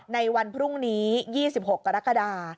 ในวันพรุ่งนี้๒๖กรกฎา